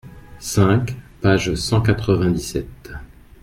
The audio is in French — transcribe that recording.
cinq, page cent quatre-vingt-dix-sept.